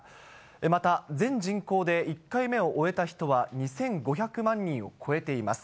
また、全人口で１回目を終えた人は２５００万人を超えています。